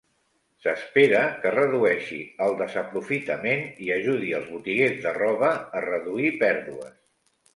S'espera que redueixi el desaprofitament i ajudi els botiguers de roba a reduir pèrdues.